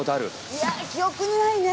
いや記憶にないね。